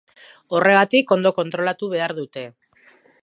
Horregatik, ondo kontrolatu behar dute.